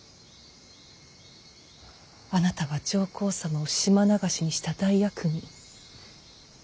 あなたは上皇様を島流しにした大悪人。